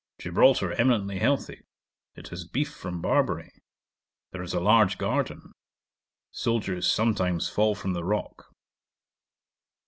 Gibraltar eminently healthy; It has beef from Barbary; There is a large garden. Soldiers sometimes fall from the rock.